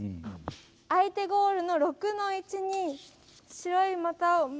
相手ゴールの６の位置に白い的を置きます。